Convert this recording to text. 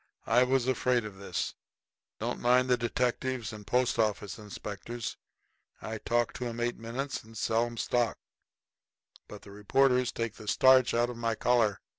I was afraid of this. I don't mind detectives and post office inspectors I talk to 'em eight minutes and then sell 'em stock but them reporters take the starch out of my collar.